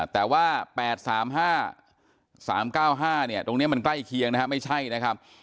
แต่ว่า๘๓๕๓๙๕เนี่ยตรงนี้มันใกล้เคียงนะครับไม่ใช่นะครับ